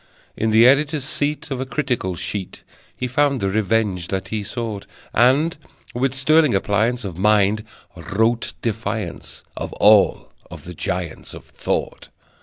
In the editor's seat Of a critical sheet He found the revenge that he sought; And, with sterling appliance of Mind, wrote defiance of All of the giants of Thought.